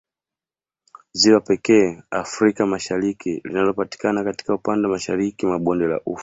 Ziwa pekee Afrika Mashariki linalopatikana katika upande wa mashariki mwa bonde la ufa